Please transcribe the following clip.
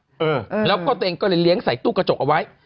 เออแล้วก็ตัวเองก็เลยเลี้ยงใส่ตู้กระจกเอาไว้